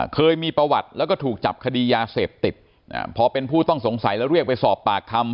เคยมีประวัติแล้วก็ถูกจับคดียาเสพติดพอเป็นผู้ต้องสงสัยแล้วเรียกไปสอบปากคำ